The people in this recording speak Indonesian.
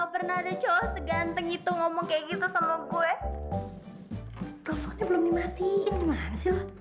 pernah ada cowok seganteng itu ngomong kayak gitu sama gue sosoknya belum dimatiin berhasil